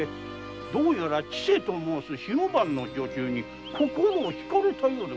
どうやら千勢と申す火の番の女中に心を惹かれたようで。